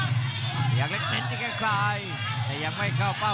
พระยักษ์เล็กเน้นท์ในแก้งซ้ายแต่ยังไม่เข้าเป้า